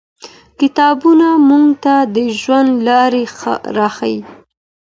کتابونه موږ ته د ژوند لاري راښيي.